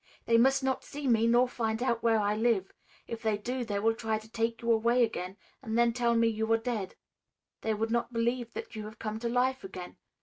They must not see me nor find out where I live. If they do, they will try to take you away again and then tell me you are dead. They would not believe that you have come to life again.